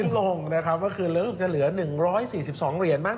ลงลงนะครับเมื่อคืนแล้วก็จะเหลือ๑๔๒เหรียญบ้าง